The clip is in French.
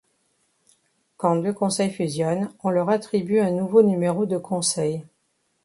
Quand deux conseils fusionnent, on leur attribue un nouveau numéro de conseil.